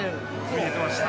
◆見えてました。